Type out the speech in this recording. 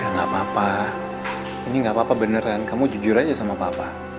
nggak apa apa ini gak apa apa beneran kamu jujur aja sama papa